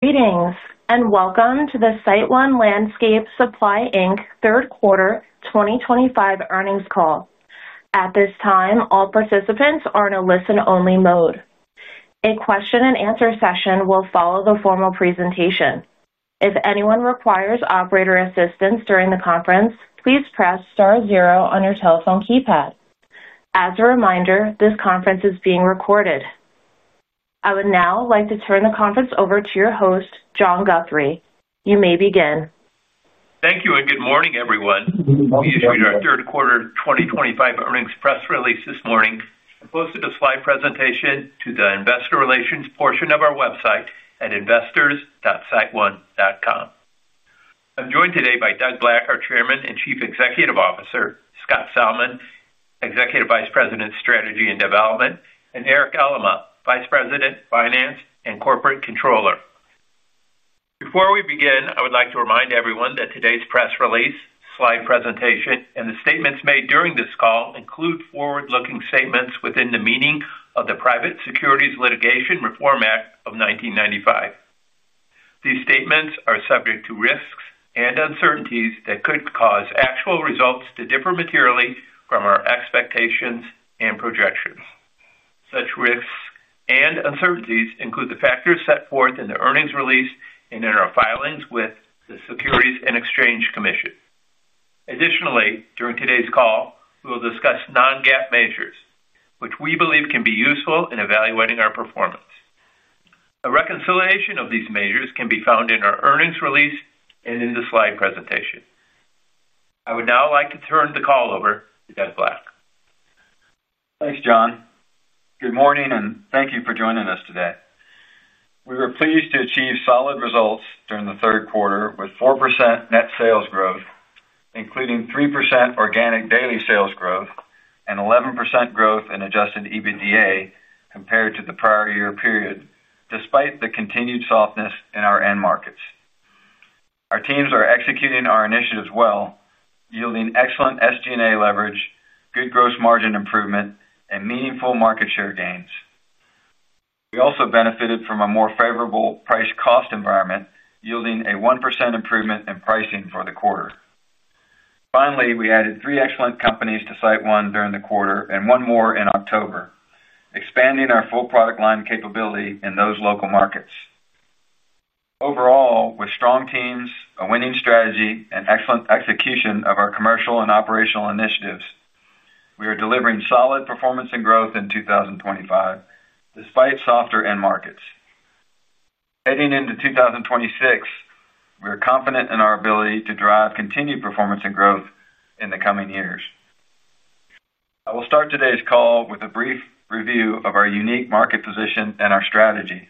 Greetings and welcome to the SiteOne Landscape Supply Inc Third Quarter 2025 earnings call. At this time, all participants are in a listen-only mode. A question-and-answer session will follow the formal presentation. If anyone requires operator assistance during the conference, please press star zero on your telephone keypad. As a reminder, this conference is being recorded. I would now like to turn the conference over to your host, John Guthrie. You may begin. Thank you and good morning everyone. We issued our third quarter 2025 earnings press release this morning and posted a slide presentation to the Investor Relations portion of our website at investors.siteone.com. I'm joined today by Doug Black, our Chairman and Chief Executive Officer, Scott Salmon, Executive Vice President, Strategy and Development, and Eric Elema, Vice President, Finance and Corporate Controller. Before we begin, I would like to remind everyone that today's press release, slide presentation, and the statements made during this call include forward-looking statements within the meaning of the Private Securities Litigation Reform Act of 1995. These statements are subject to risks and uncertainties that could cause actual results to differ materially from our expectations and projections. Such risks and uncertainties include the factors set forth in the earnings release and in our filings with the Securities and Exchange Commission. Additionally, during today's call we will discuss non-GAAP measures which we believe can be useful in evaluating our performance. A reconciliation of these measures can be found in our earnings release and in the slide presentation. I would now like to turn the call over to Doug Black. Thanks, John. Good morning and thank you for joining us today. We were pleased to achieve solid results during the third quarter with 4% net sales growth, including 3% organic daily sales growth and 11% growth in adjusted EBITDA compared to the prior year period. Despite the continued softness in our end markets, our teams are executing our initiatives well, yielding excellent SG&A leverage, good gross margin improvement, and meaningful market share gains. We also benefited from a more favorable price-cost environment, yielding a 1% improvement in pricing for the quarter. Finally, we added three excellent companies to SiteOne during the quarter and one more in October, expanding our full product line capability in those local markets. Overall, with strong teams, a winning strategy, and excellent execution of our commercial and operational initiatives, we are delivering solid performance and growth in 2025. Despite softer end markets heading into 2026, we are confident in our ability to drive continued performance and growth in the coming years. I will start today's call with a brief review of our unique market position and our strategy,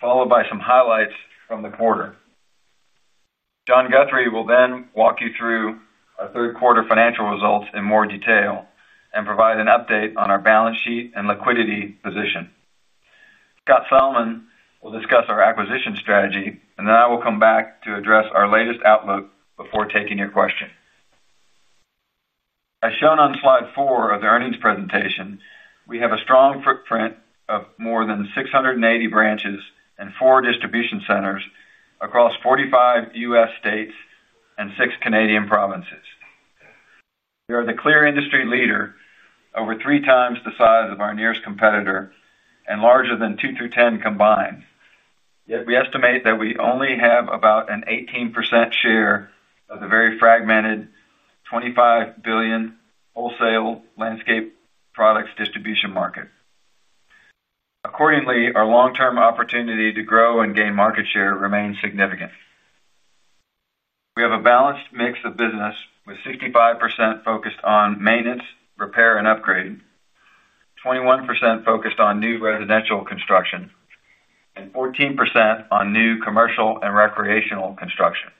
followed by some highlights from the quarter. John Guthrie will then walk you through our third quarter financial results in more detail and provide an update on our balance sheet and liquidity position. Scott Salmon will discuss our acquisition strategy, and then I will come back to address our latest outlook before taking your questions. As shown on slide four of the earnings presentation, we have a strong footprint of more than 680 branches and four distribution centers across 45 U.S. states and six Canadian provinces. We are the clear industry leader, over 3x the size of our nearest competitor and larger than two through 10 combined. Yet we estimate that we only have about an 18% share of the very fragmented $25 billion wholesale landscape products distribution market. Accordingly, our long-term opportunity to grow and gain market share remains significant. We have a balanced mix of business with 65% focused on maintenance, repair, and upgrade, 21% focused on new residential construction, and 14% on new commercial and recreational construction.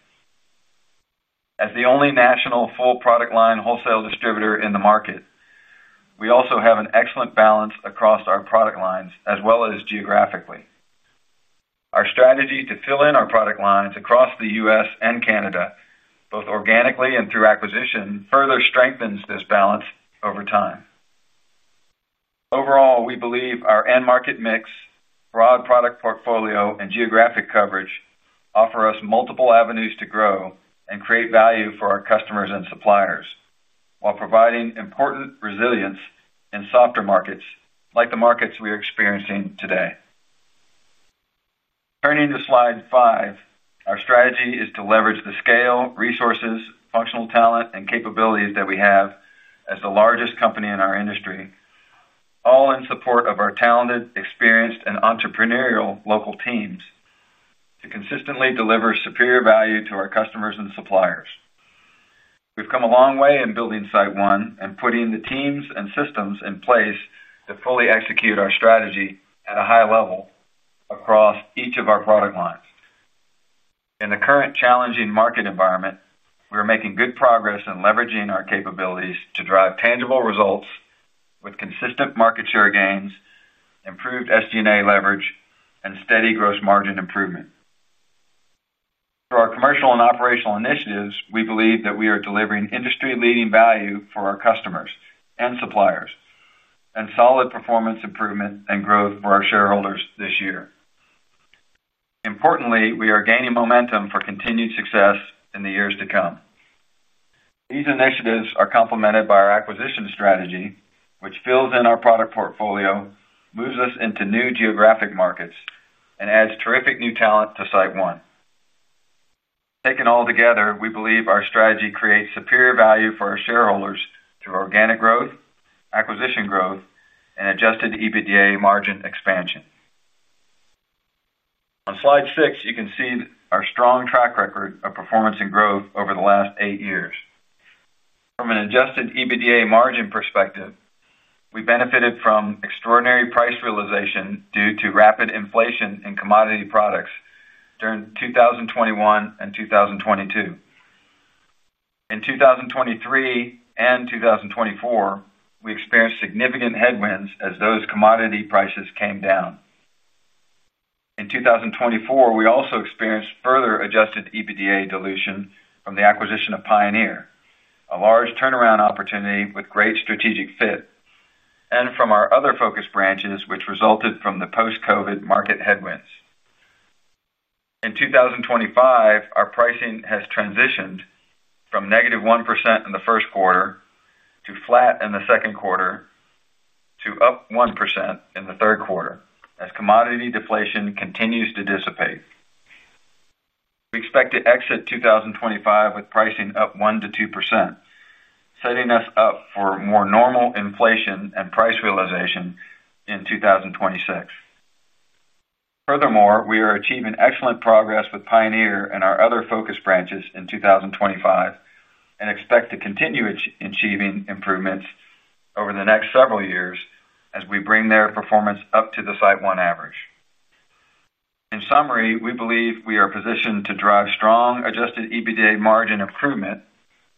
As the only national full product line wholesale distributor in the market, we also have an excellent balance across our product lines as well as geographically. Our strategy to fill in our product lines across the U.S. and Canada, both organically and through acquisition, further strengthens this balance over time. Overall, we believe our end market mix, broad product portfolio, and geographic coverage offer us multiple avenues to grow and create value for our customers and suppliers while providing important resilience in softer markets like the markets we are experiencing today. Turning to slide 5, our strategy is to leverage the scale, resources, functional talent, and capabilities that we have as the largest company in our industry, all in support of our talented, experienced, and entrepreneurial local teams to consistently deliver superior value to our customers and suppliers. We've come a long way in building SiteOne and putting the teams and systems in place to fully execute our strategy at a high level across each of our product lines. In the current challenging market environment, we are making good progress in leveraging our capabilities to drive tangible results with consistent market share gains, improved SG&A leverage, and steady gross margin improvement through our commercial and operational initiatives. We believe that we are delivering industry-leading value for our customers and suppliers and solid performance improvement and growth for our shareholders this year. Importantly, we are gaining momentum for continued success in the years to come. These initiatives are complemented by our acquisition strategy, which fills in our product portfolio, moves us into new geographic markets, and adds terrific new talent to SiteOne. Taken all together, we believe our strategy creates superior value for our shareholders through organic growth, acquisition growth, and adjusted EBITDA margin expansion. On slide six, you can see our strong track record of performance and growth over the last 8 years. From an adjusted EBITDA margin perspective, we benefited from extraordinary price realization due to rapid inflation in commodity products during 2021 and 2022. In 2023 and 2024, we experienced significant headwinds as those commodity prices came down. In 2024, we also experienced further adjusted EBITDA dilution from the acquisition of Pioneer, a large turnaround opportunity with great strategic fit, and from our other focus branches, which resulted from the post-COVID market headwinds. In 2025, our pricing has transitioned from -1% in the first quarter to flat in the second quarter to up 1% in the third quarter. As commodity deflation continues to dissipate, we expect to exit 2025 with pricing up 1%-2%, setting us up for more normal inflation and price realization in 2026. Furthermore, we are achieving excellent progress with Pioneer and our other focus branches in 2025 and expect to continue achieving improvements over the next several years as we bring their performance up to the SiteOne average. In summary, we believe we are positioned to drive strong adjusted EBITDA margin improvement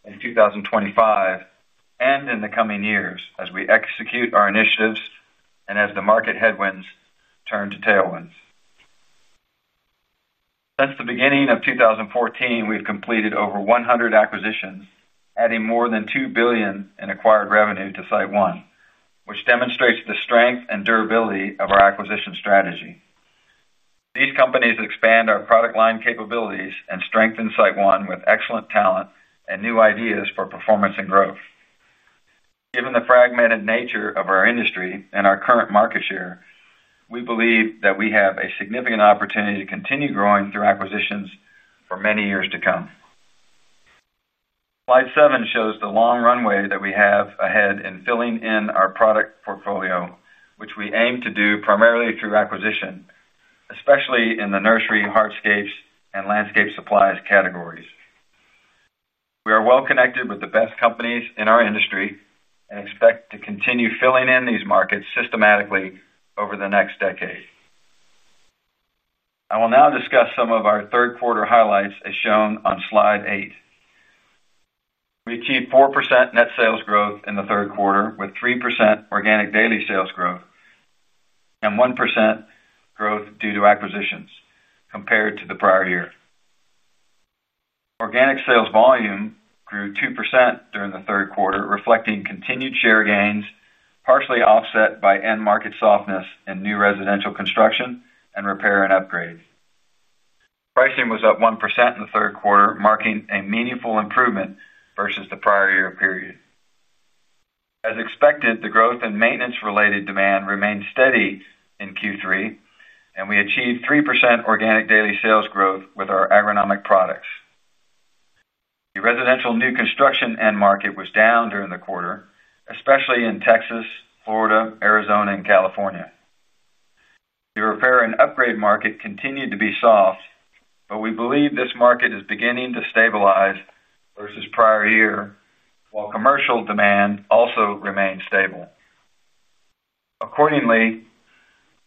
in 2025 and in the coming years as we execute our initiatives and as the market headwinds turn to tailwinds. Since the beginning of 2014, we have completed over 100 acquisitions, adding more than $2 billion in acquired revenue to SiteOne, which demonstrates the strength and durability of our acquisition strategy. These companies expand our product line capabilities and strengthen SiteOne with excellent talent and new ideas for performance and growth. Given the fragmented nature of our industry and our current market share, we believe that we have a significant opportunity to continue growing through acquisitions for many years to come. Slide seven shows the long runway that we have ahead in filling in our product portfolio, which we aim to do primarily through acquisition, especially in the nursery, hardscapes, and landscape supplies categories. We are well connected with the best companies in our industry and expect to continue filling in these markets systematically over the next decade. I will now discuss some of our third quarter highlights. As shown on slide eight, we achieved 4% net sales growth in the third quarter with 3% organic daily sales growth and 1% growth due to acquisitions compared to the prior year. Organic sales volume grew 2% during the third quarter, reflecting continued share gains partially offset by end market softness in new residential construction and repair and upgrade. Pricing was up 1% in the third quarter, marking a meaningful improvement versus the prior year period. As expected, the growth in maintenance-related demand remained steady in Q3, and we achieved 3% organic daily sales growth with our agronomic products. The residential new construction end market was down during the quarter, especially in Texas, Florida, Arizona, and California. The repair and upgrade market continued to be soft, but we believe this market is beginning to stabilize versus prior year while commercial demand also remains stable. Accordingly,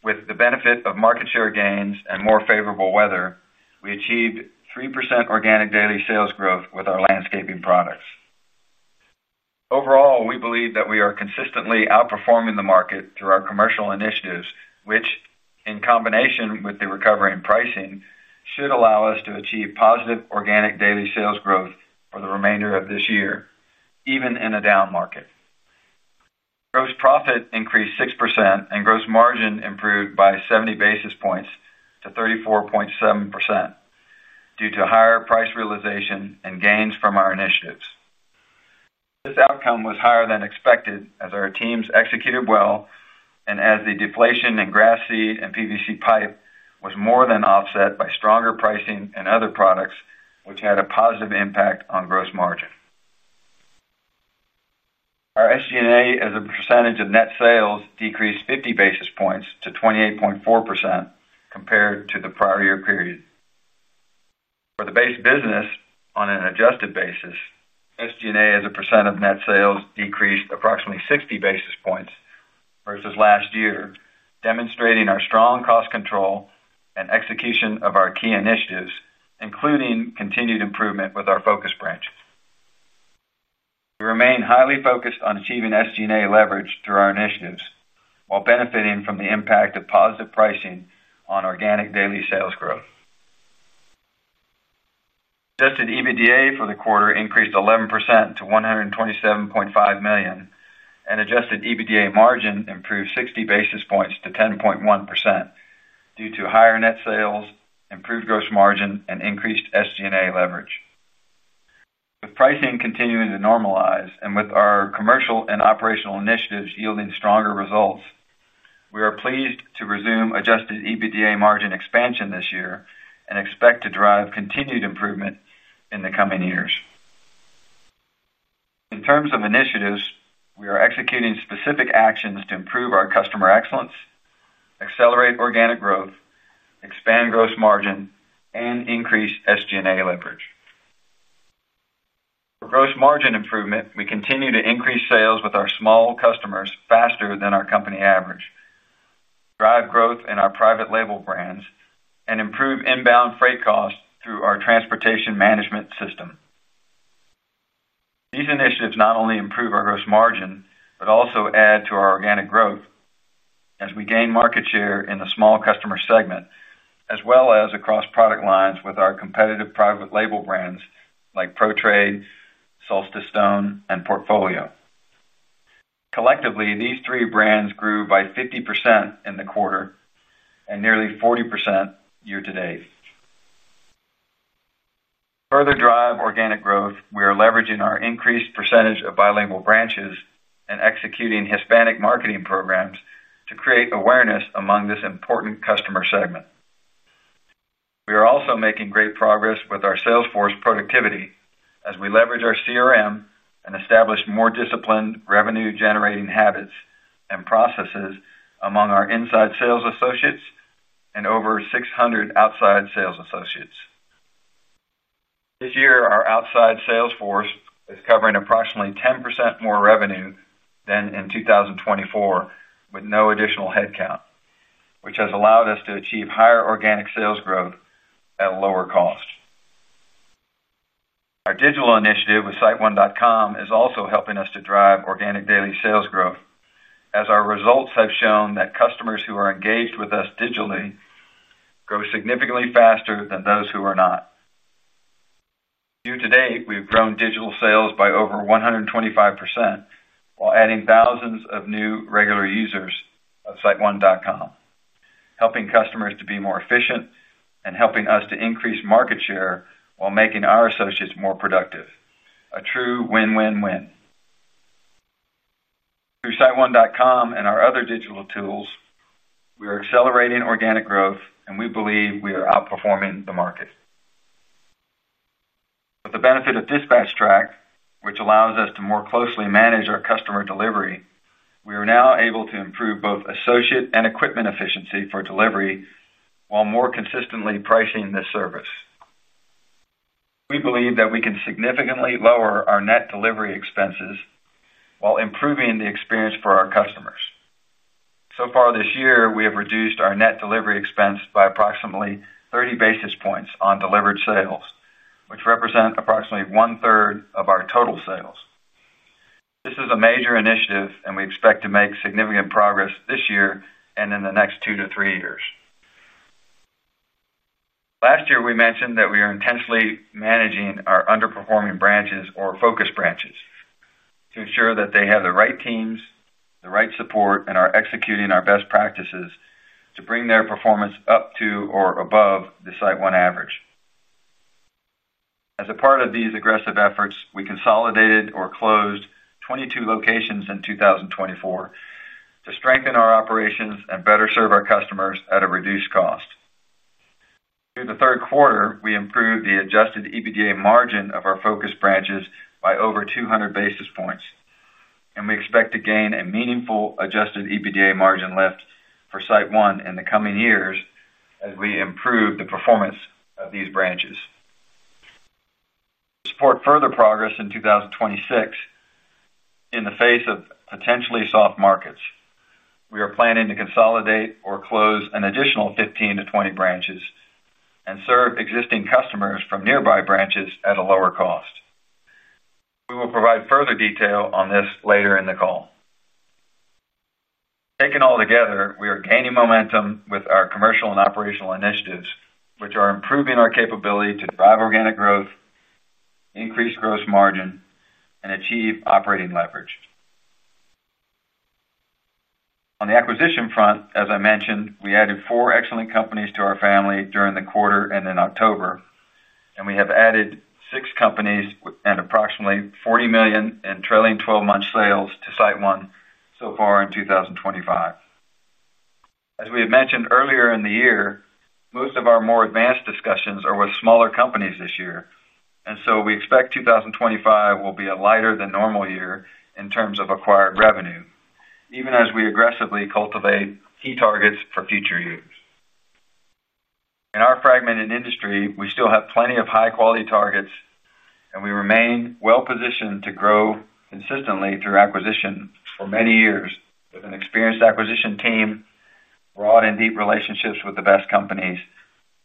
with the benefit of market share gains and more favorable weather, we achieved 3% organic daily sales growth with our landscaping products. Overall, we believe that we are consistently outperforming the market through our commercial initiatives, which in combination with the recovery in pricing should allow us to achieve positive organic daily sales growth for the remainder of this year. Even in a down market, gross profit increased 6% and gross margin improved by 70 basis points to 34.7% due to higher price realization and gains from our initiatives. This outcome was higher than expected as our teams executed well, and as the deflation in grass seed and PVC pipe was more than offset by stronger pricing and other products, which had a positive impact on gross margin. Our SG&A as a percentage of net sales decreased 50 basis points to 28.4% compared to the prior year period for the base business. On an adjusted basis, SG&A as a percent of net sales decreased approximately 60 basis points versus last year, demonstrating our strong cost control and execution of our key initiatives, including continued improvement with our focus branch. We remain highly focused on achieving SG&A leverage through our initiatives while benefiting from the impact of positive pricing on organic daily sales growth. Adjusted EBITDA for the quarter increased 11% to $127.5 million and adjusted EBITDA margin improved 60 basis points to 10.1% due to higher net sales, improved gross margin, and increased SG&A leverage. With pricing continuing to normalize and with our commercial and operational initiatives yielding stronger results, we are pleased to resume adjusted EBITDA margin expansion this year and expect to drive continued improvement in the coming years. In terms of initiatives, we are executing specific actions to improve our customer excellence, accelerate organic growth, expand gross margin, and increase SG&A leverage for gross margin improvement. We continue to increase sales with our small customers faster than our company average, drive growth in our private label brands, and improve inbound freight costs through our transportation management system. These initiatives not only improve our gross margin but also add to our organic growth as we gain market share in the small customer segment as well as across product lines with our competitive private label brands like Pro-Trade, Solstice Stone, and Portfolio. Collectively, these three brands grew by 50% in the quarter and nearly 40% year-to-date. To further drive organic growth, we are leveraging our increased percentage of bilingual branches and executing Hispanic marketing programs to create awareness among this important customer segment. We are also making great progress with our sales force productivity as we leverage our CRM and establish more disciplined revenue-generating habits and processes among our inside sales associates and over 600 outside sales associates. This year our outside sales force is covering approximately 10% more revenue than in 2024 with no additional headcount, which has allowed us to achieve higher organic sales growth at a lower cost. Our digital initiative with siteone.com is also helping us to drive organic daily sales growth as our results have shown that customers who are engaged with us digitally grow significantly faster than those who are not. Year-to-date we've grown digital sales by over 125% while adding thousands of new regular users of siteone.com, helping customers to be more efficient and helping us to increase market share while making our associates more productive. A true win win win. Through siteone.com and our other digital tools, we are accelerating organic growth and we believe we are outperforming the market. With the benefit of DispatchTrack, which allows us to more closely manage our customer delivery, we are now able to improve both associate and equipment efficiency for delivery while more consistently pricing this service. We believe that we can significantly lower our net delivery expenses while improving the experience for our customers. So far this year we have reduced our net delivery expense by approximately 30 basis points on delivered sales, which represent approximately 1/3 of our total sales. This is a major initiative and we expect to make significant progress this year and in the next 2-3 years. Last year we mentioned that we are intensely managing our underperforming branches or focus branches to ensure that they have the right teams, the right support, and are executing our best practices to bring their performance up to or above the SiteOne average. As a part of these aggressive efforts, we consolidated or closed 22 locations in 2024 to strengthen our operations and better serve our customers at a reduced cost. Through the third quarter, we improved the adjusted EBITDA margin of our focus branches by over 200 basis points, and we expect to gain a meaningful adjusted EBITDA margin lift for SiteOne in the coming years as we improve the performance of these branches. To support further progress in 2026 in the face of potentially soft markets, we are planning to consolidate or close an additional 15-20 branches and serve existing customers from nearby branches at a lower cost. We will provide further detail on this later in the call. Taken altogether, we are gaining momentum with our commercial and operational initiatives, which are improving our capability to drive organic growth, increase gross margin, and achieve operating leverage. On the acquisition front, as I mentioned, we added four excellent companies to our family during the quarter and in October, and we have added six companies and approximately $40 million in trailing 12-month sales to SiteOne so far in 2025. As we had mentioned earlier in the year, most of our more advanced discussions are with smaller companies this year, and so we expect 2025 will be a lighter than normal year in terms of acquired revenue. Even as we aggressively cultivate key targets for future years in our fragmented industry, we still have plenty of high-quality targets, and we remain well positioned to grow consistently through acquisition for many years with an experienced acquisition team, broad and deep relationships with the best companies,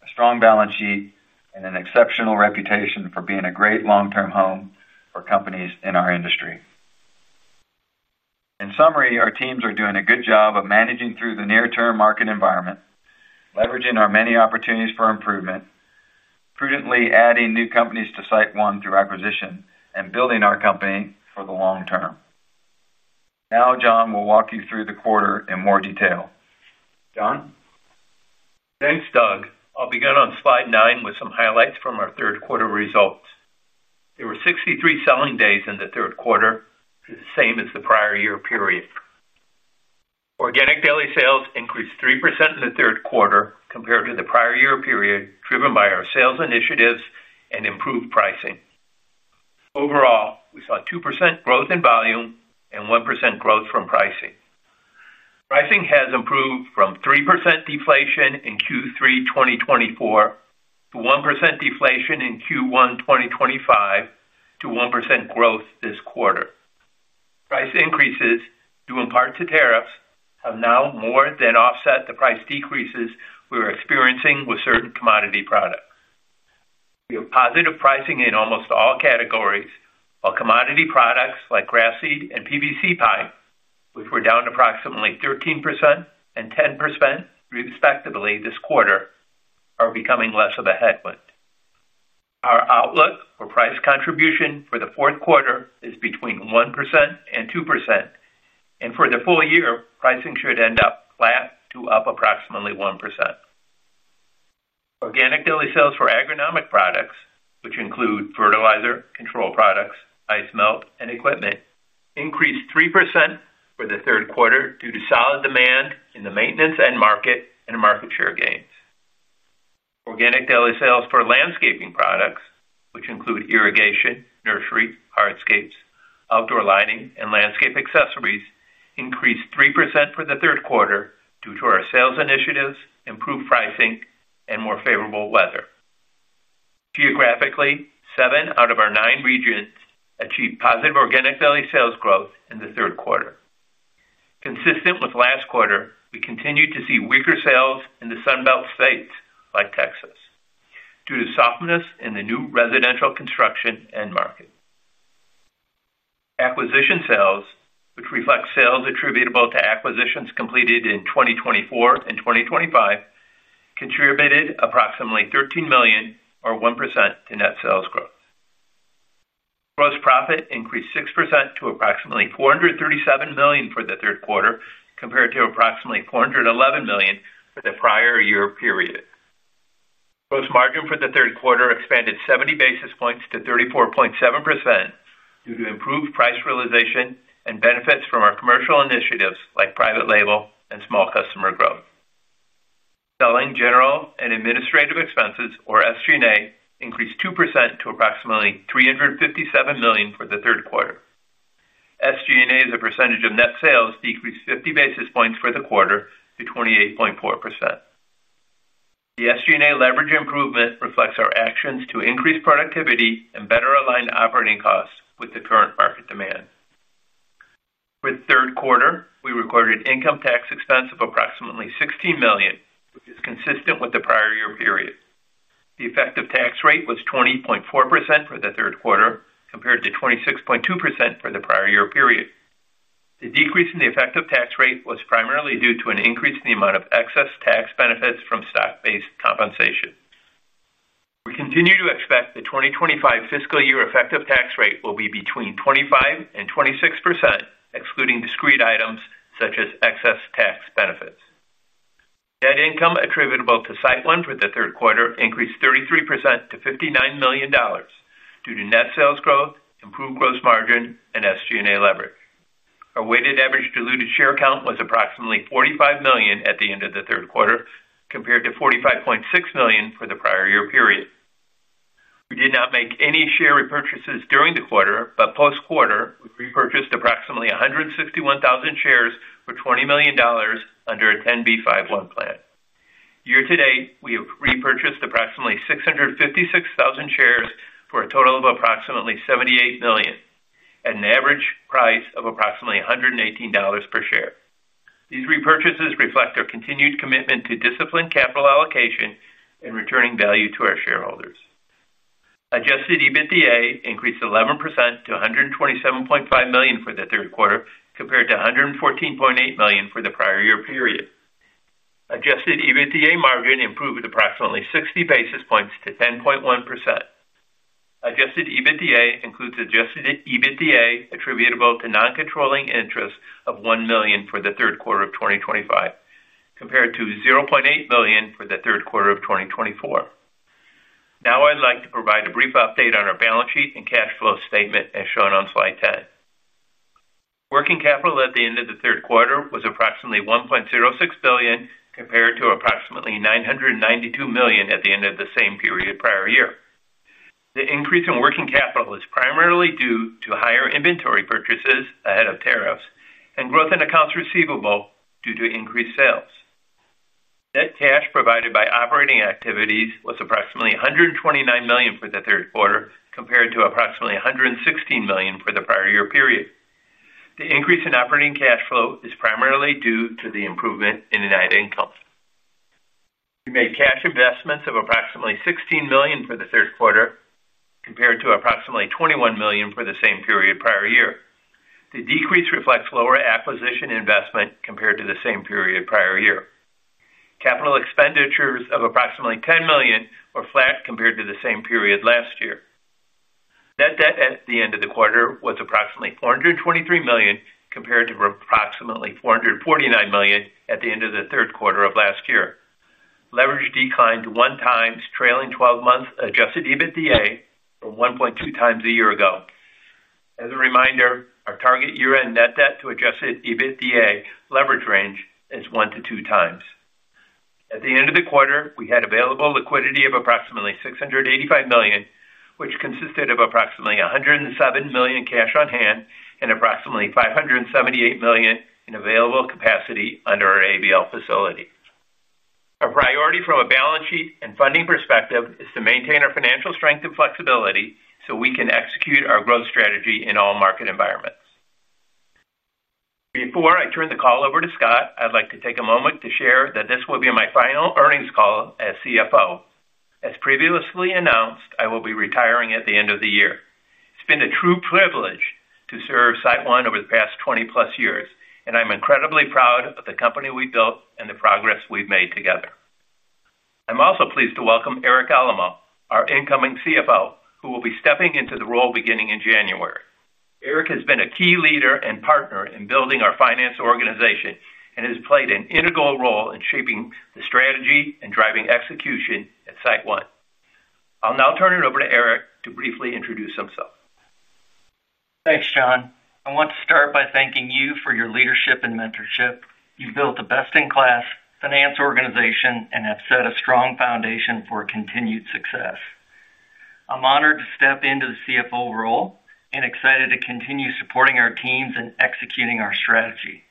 a strong balance sheet, and an exceptional reputation for being a great long-term home for companies in our industry. In summary, our teams are doing a good job of managing through the near-term market environment, leveraging our many opportunities for improvement, prudently adding new companies to SiteOne through acquisition, and building our company for the long term. Now John will walk you through the quarter in more detail. John, Thanks Doug. I'll begin on slide nine with some highlights from our third quarter results. There were 63 selling days in the third quarter, same as the prior year period. Organic daily sales increased 3% in the third quarter compared to the prior year period driven by our sales initiatives and improved pricing. Overall, we saw 2% growth in volume and 1% growth from pricing. Pricing has improved from 3% deflation in Q3 2024 to 1% deflation in Q1 2025 to 1% growth this quarter. Price increases due in part to tariffs have now more than offset the price decreases we are experiencing with certain commodity products. We have positive pricing in almost all categories, while commodity products like grass seed and PVC pipe, which were down approximately 13% and 10% respectively this quarter, are becoming less of a headwind. Our outlook for price contribution for the fourth quarter is between 1% and 2%, and for the full year pricing should end up flat to up approximately 1%. Organic daily sales for agronomic products, which include fertilizer, control products, ice melt, and equipment, increased 3% for the third quarter due to solid demand in the maintenance end market and market share gains. Organic daily sales for landscaping products, which include irrigation, nursery, hardscapes, outdoor lighting, and landscape accessories, increased 3% for the third quarter due to our sales initiatives, improved pricing, and more favorable weather. Geographically, seven out of our nine regions achieved positive organic daily sales growth in the third quarter. Consistent with last quarter, we continued to see weaker sales in the Sun Belt states like Texas due to softness in the new residential construction end market. Acquisition sales, which reflect sales attributable to acquisitions completed in 2024 and 2025, contributed approximately $13 million or 1% to net sales growth. Gross profit increased 6% to approximately $437 million for the third quarter compared to approximately $411 million for the prior year period. Gross margin for the third quarter expanded 70 basis points to 34.7% due to improved price realization and benefits from our commercial initiatives like private label and small customer growth. Selling, general, and administrative expenses, or SG&A, increased 2% to approximately $357 million for the third quarter. SG&A as a percentage of net sales decreased 50 basis points for the quarter to 28.4%. The SG&A leverage improvement reflects our actions to increase productivity and better align operating costs with the current market demand. For the third quarter, we recorded income tax expense of approximately $16 million, which is consistent with the prior year period. The effective tax rate was 20.4% for the third quarter compared to 26.2% for the prior year period. The decrease in the effective tax rate was primarily due to an increase in the amount of excess tax benefits from stock-based compensation. We continue to expect the 2025 fiscal year effective tax rate will be between 25% and 26%, excluding discrete items such as excess tax benefits. Net income attributable to SiteOne for the third quarter increased 33% to $59 million due to net sales growth, improved gross margin, and SG&A leverage. Our weighted average diluted share count was approximately 45 million at the end of the third quarter compared to 45.6 million for the prior year period. We did not make any share repurchases during the quarter, but post quarter we repurchased approximately 161,000 shares for $20 million under a 10b5-1 plan. Year-to-date, we have repurchased approximately 656,000 shares for a total of approximately $78 million at an average price of approximately $118 per share. These repurchases reflect our continued commitment to disciplined capital allocation and returning value to our shareholders. Adjusted EBITDA increased 11% to $127.5 million for the third quarter compared to $114.8 million for the prior year period. Adjusted EBITDA margin improved approximately 60 basis points to 10.1%. Adjusted EBITDA includes adjusted EBITDA attributable to non-controlling interest of $1 million for the third quarter of 2025 compared to $0.8 million for the third quarter of 2024. Now I'd like to provide a brief update on our balance sheet and cash flow statement. As shown on slide 10, working capital at the end of the third quarter was approximately $1.06 billion compared to approximately $992 million at the end of the same period prior year. The increase in working capital is primarily due to higher inventory purchases ahead of tariffs and growth in accounts receivable due to increased sales. Net cash provided by operating activities was approximately $129 million for the third quarter compared to approximately $116 million for the prior year period. The increase in operating cash flow is primarily due to the improvement in net income. We made cash investments of approximately $16 million for the third quarter compared to approximately $21 million for the same period prior year. The decrease reflects lower acquisition investment compared to the same period prior year. Capital expenditures of approximately $10 million were flat compared to the same period last year. Net debt at the end of the quarter was approximately $423 million compared to approximately $449 million at the end of the third quarter of last year. Leverage declined 1x trailing 12 month adjusted EBITDA from 1.2x a year ago. As a reminder, our target year end net debt to adjusted EBITDA leverage range is 1-2x times. At the end of the quarter, we had available liquidity of approximately $685 million, which consisted of approximately $107 million cash on hand and approximately $578 million in available capacity under our ABL facility. Our priority from a balance sheet and funding perspective is to maintain our financial strength and flexibility so we can execute our growth strategy in all market environments. Before I turn the call over to Scott, I'd like to take a moment to share that this will be my final earnings call as CFO. As previously announced, I will be retiring at the end of the year. It's been a true privilege to serve SiteOne over the past 20+ years and I'm incredibly proud of the company we built and the progress we've made together. I'm also pleased to welcome Eric Elema, our incoming CFO, who will be stepping into the role beginning in January. Eric has been a key leader and partner in building our finance organization and has played an integral role in shaping the strategy and driving execution at SiteOne. I'll now turn it over to Eric to briefly introduce himself. Thanks, John. I want to start by thanking you for your leadership and mentorship. You've built a best-in-class finance organization and have set a strong foundation for continued success. I'm honored to step into the CFO role. Role and excited to continue supporting our. Teams and executing our strategy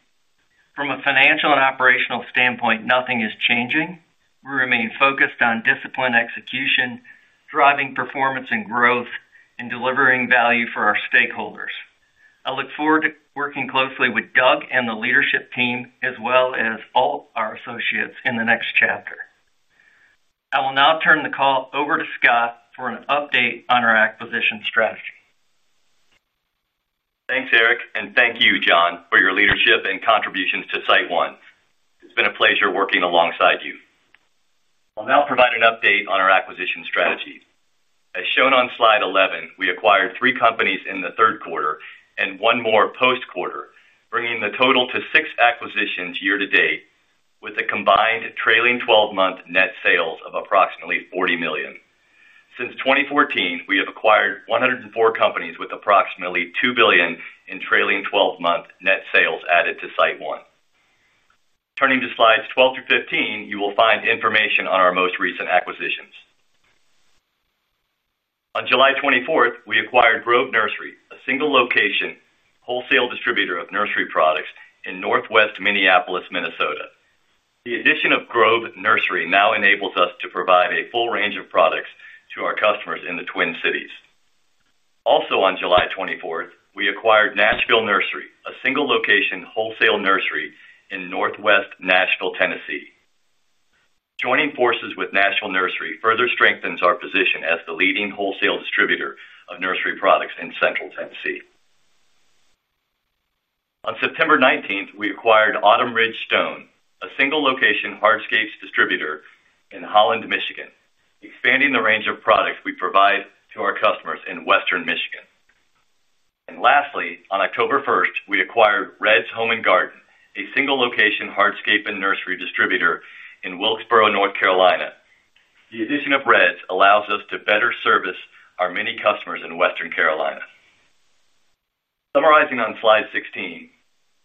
from a financial and operational standpoint. Nothing is changing. We remain focused on disciplined execution, driving performance and growth, and delivering value for our stakeholders. I look forward to working closely with Doug and the leadership team as well as all our associates in the next chapter. I will now turn the call over to Scott for an update on our acquisition strategy. Thanks Eric and thank you John for your leadership and contributions to SiteOne. It's been a pleasure working alongside you. I'll now provide an update on our acquisition strategy. As shown on slide 11, we acquired three companies in the third quarter and one more post quarter, bringing the total to six acquisitions year-to-date with a combined trailing 12 month net sales of approximately $40 million. Since 2014, we have acquired 104 companies with approximately $2 billion in trailing 12 month net sales added to SiteOne. Turning to slides 12 through 15, you will find information on our most recent acquisitions. On July 24, we acquired Grove Nursery, a single location wholesale distributor of nursery products in Northwest Minneapolis, Minnesota. The addition of Grove Nursery now enables us to provide a full range of products to our customers in the Twin Cities. Also on July 24, we acquired Nashville Nursery, a single location wholesale nursery in Northwest Nashville, Tennessee. Joining forces with Nashville Nursery further strengthens our position as the leading wholesale distributor. Of nursery products in Central Tennessee. On September 19th, we acquired Autumn Ridge Stone, a single location hardscapes distributor in Holland, Michigan, expanding the range of products we provide to our customers in Western Michigan. Lastly, on October 1st, we acquired Red's Home & Garden, a single location hardscape and nursery distributor in Wilkesboro, North Carolina. The addition of Red's allows us to. Better service our many customers in Western Carolina. Summarizing on Slide 16,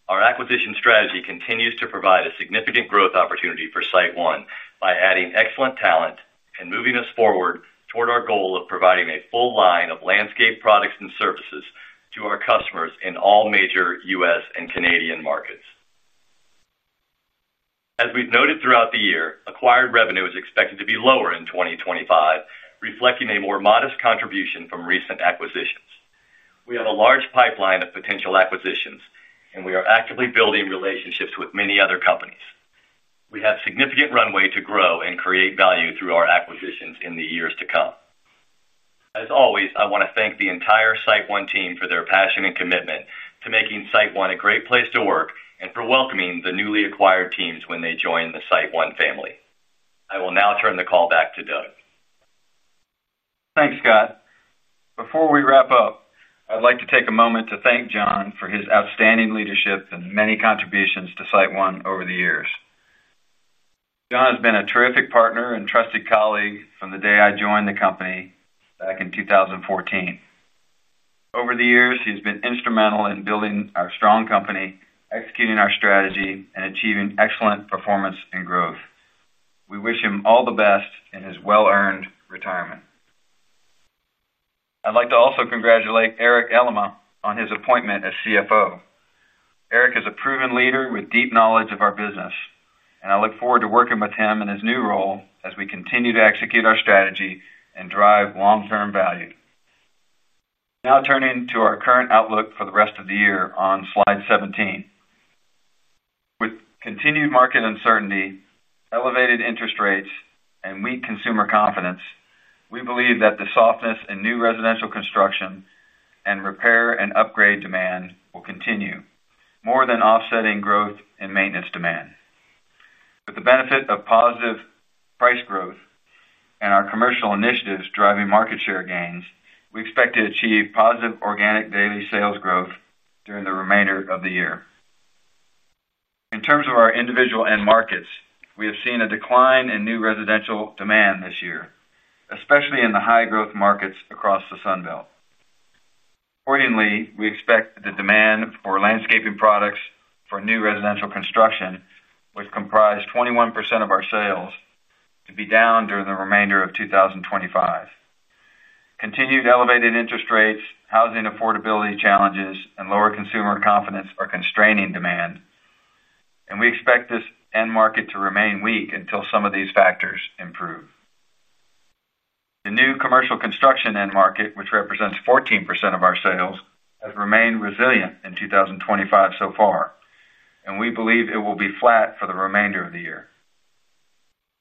our acquisition strategy. Continues to provide a significant growth opportunity for SiteOne, and by adding excellent talent, moving us forward toward our goal. Of providing a full line of landscape. Products and services to our customers in. All major U.S. and Canadian markets. As we've noted throughout the year, acquired revenue is expected to be lower in 2025, reflecting a more modest contribution from recent acquisitions. We have a large pipeline of potential. Acquisitions, and we are actively building relationships. With many other companies. We have significant runway to grow and create value through our acquisitions in the years to come. As always, I want to thank the. Entire SiteOne team for their passion and. Commitment to making SiteOne a great place to work and for welcoming the newly. Acquired teams when they join the SiteOne family. I will now turn the call back to Doug. Thanks, Scott. Before we wrap up, I'd like to take a moment to thank John for his outstanding leadership and many contributions to SiteOne over the years. John has been a terrific partner and trusted colleague from the day I joined the company back in 2014. Over the years, he's been instrumental in building our strong company, executing our strategy, and achieving excellent performance and growth. We wish him all the best in his well-earned retirement. I'd like to also congratulate Eric Elema on his appointment as CFO. Eric is a proven leader with deep knowledge of our business, and I look forward to working with him in his new role as we continue to execute our strategy and drive long-term value. Now turning to our current outlook for the rest of the year on slide 17, with continued market uncertainty, elevated interest rates, and weak consumer confidence, we believe that the softness in new residential construction, repair, and upgrade demand will continue, more than offsetting growth in maintenance demand. With the benefit of positive price growth and our commercial initiatives driving market share gains, we expect to achieve positive organic daily sales growth during the remainder of the year. In terms of our individual end markets, we have seen a decline in new residential demand this year, especially in the high-growth markets across the Sun Belt. Accordingly, we expect the demand for landscaping products for new residential construction, which comprise 21% of our sales, to be down during the remainder of 2025. Continued elevated interest rates, housing affordability challenges, and lower consumer confidence are constraining demand, and we expect this end market to remain weak until some of these factors improve. The new commercial construction end market, which represents 14% of our sales, has remained resilient in 2025 so far, and we believe it will be flat for the remainder of the year.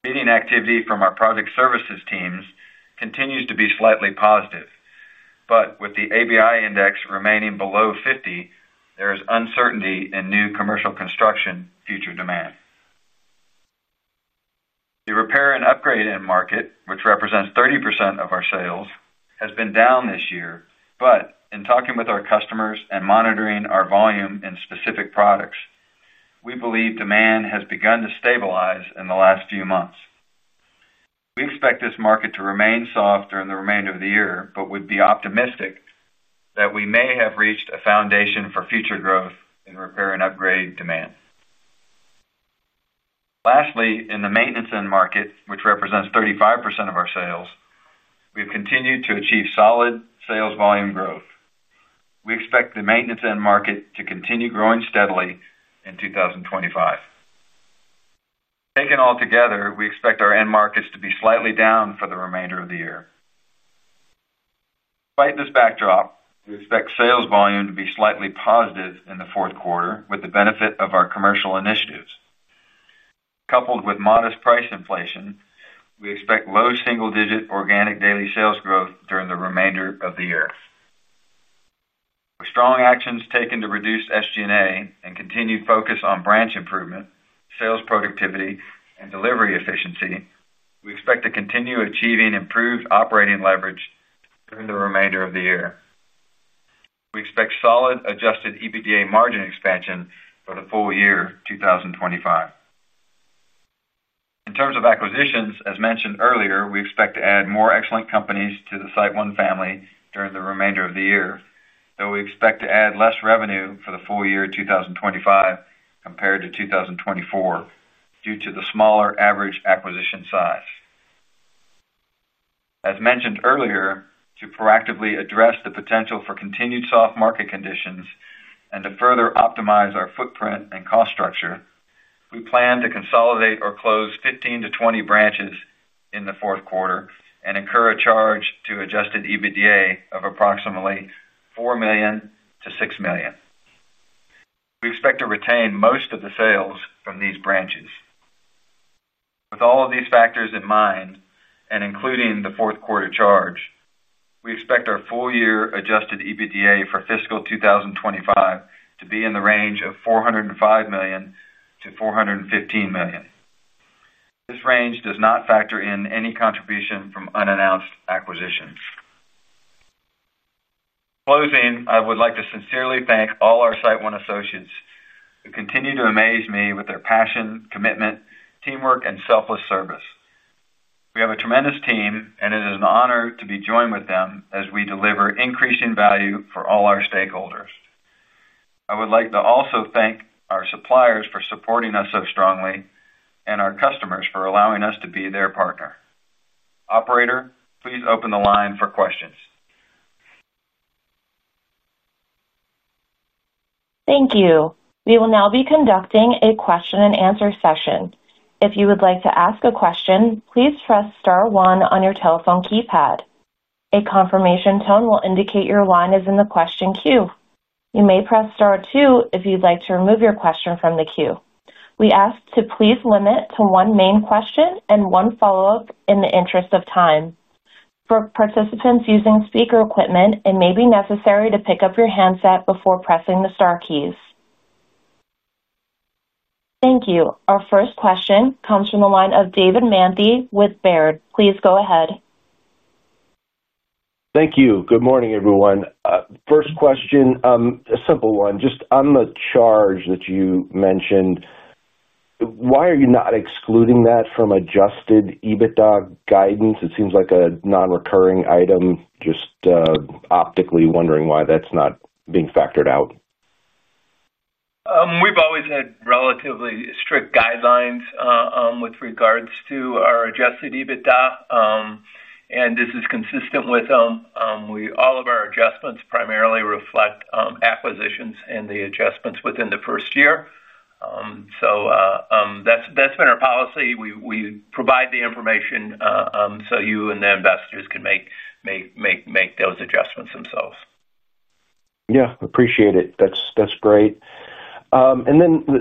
Meeting activity from our project services teams continues to be slightly positive, but with the ABI Index remaining below 50, there is uncertainty in new commercial construction future demand. The repair and upgrade end market, which represents 30% of our sales, has been down this year, but in talking with our customers and monitoring our volume in specific products, we believe demand has begun to stabilize in the last few months. We expect this market to remain soft during the remainder of the year, but would be optimistic that we may have reached a foundation for future growth in repair and upgrade demand. Lastly, in the maintenance end market, which represents 35% of our sales, we have continued to achieve solid sales volume growth. We expect the maintenance end market to continue growing steadily in 2025. Taken all together, we expect our end markets to be slightly down for the remainder of the year. Despite this backdrop, we expect sales volume to be slightly positive in the fourth quarter with the benefit of our commercial initiatives coupled with modest price inflation. We expect low single digit organic daily sales growth during the remainder of the year. With strong actions taken to reduce SG&A and continued focus on branch improvement, sales productivity, and delivery efficiency, we expect to continue achieving improved operating leverage during the remainder of the year. We expect solid adjusted EBITDA margin expansion for the full year 2025. In terms of acquisitions, as mentioned earlier, we expect to add more excellent companies to the SiteOne family during the remainder of the year, though we expect to add less revenue for the full year 2025 compared to 2024 due to the smaller average acquisition size. As mentioned earlier, to proactively address the potential for continued soft market conditions and to further optimize our footprint and cost structure, we plan to consolidate or close 15-20 branches in the fourth quarter and incur a charge to adjusted EBITDA of approximately $4 million-$6 million. We expect to retain most of the sales from these branches. With all of these factors in mind and including the fourth quarter charge, we expect our full year adjusted EBITDA for fiscal 2025 to be in the range of $405 million-$415 million. This range does not factor in any contribution from unannounced acquisitions. Closing, I would like to sincerely thank all our SiteOne associates who continue to amaze me with their passion, commitment, teamwork, and selfless service. We have a tremendous team and it is an honor to be joined with them as we deliver increasing value for all our stakeholders. I would like to also thank our suppliers for supporting us so strongly and our customers for allowing us to be their partner. Operator, please open the line for questions. Thank you. We will now be conducting a question-and-answer session. If you would like to ask a question, please press star one on your telephone keypad. A confirmation tone will indicate your line is in the question queue. You may press star two if you'd like to remove your question from the queue. We ask to please limit to one main question and one follow up in the interest of time. For participants using speaker equipment, it may be necessary to pick up your handset before pressing the star keys. Thank you. Our first question comes from the line of David Manthey with Baird. Please go ahead. Thank you. Good morning, everyone. First question, a simple one just on the charge that you mentioned. Why are you not excluding that from adjusted EBITDA guidance? It seems like a nonrecurring item. Just optically wondering why that's not being factored out. We've always had relatively strict guidelines with regards to our adjusted EBITDA, and this is consistent with them. All of our adjustments primarily reflect acquisitions and the adjustments within the first year. That's been our policy. We provide the information so you and the investors can make those adjustments themselves. Yeah, appreciate it. That's great.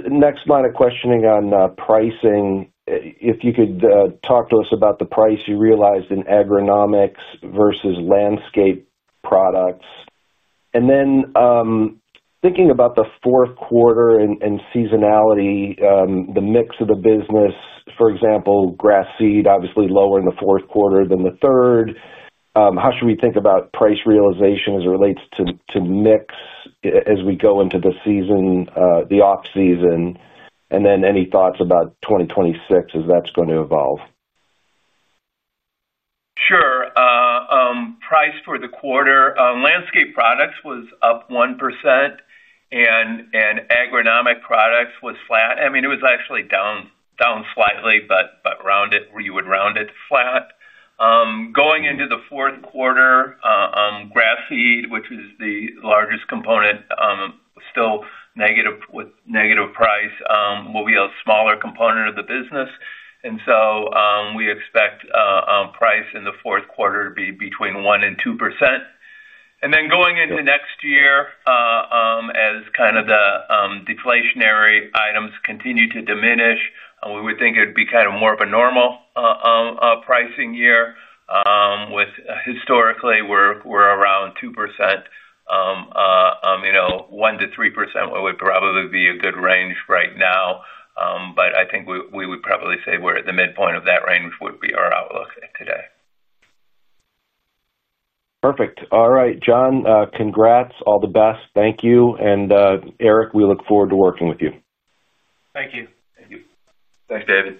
Next line of questioning on pricing, if you could talk to us about the price you realized in agronomic products versus landscape products and then thinking about the fourth quarter and seasonality, the mix of the business. For example, grass seed obviously lower in the fourth quarter than the third. How should we think about price realization as it relates to mix as we go into the season, the off season, and then any thoughts about 2026 as that's going to evolve? Sure. Price for the quarter, landscape products was up 1% and agronomic products was flat. I mean it was actually down slightly, but you would round it flat going into the fourth quarter. Grass seed, which was the largest component, still negative price, will be a smaller component of the business. We expect price in the fourth quarter to be between 1% and 2%, and then going into next year as kind of the deflationary items continue to diminish. We would think it would be kind of more of a normal pricing year with historically we're around 2%. 1%-3% would probably be a good range right now, but I think we would probably say we're at the midpoint of that range. Would be our outlook today. Perfect. All right, John, congrats. All the best. Thank you. Eric, we look forward to working with you. Thank you. Thanks, David.